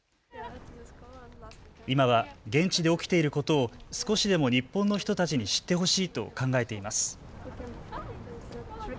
今は現地で起きていることを少しでも日本の人たちに知ってほしいと考えています。